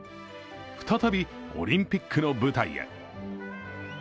再び、オリンピックの舞台へ。